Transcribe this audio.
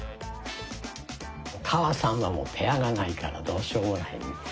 お母さんはペアがないからどうしようもないね。